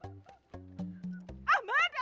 aduh aduh stop